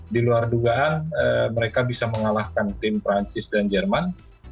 di luar dugaan mereka bisa mengalahkan tim perancis dan jerman